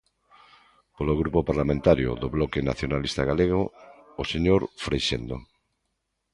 Polo Grupo Parlamentario do Bloque Nacionalista Galego, o señor Freixendo.